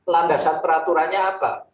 landasan peraturannya apa